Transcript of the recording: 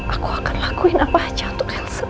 aku akan lakuin apa aja untuk elsa